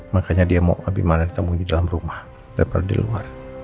makanya dia mau lebih mana ditemui di dalam rumah daripada di luar